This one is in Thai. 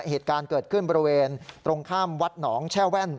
เหตุการณ์เกิดขึ้นบริเวณตรงข้ามวัดหนองแช่แว่น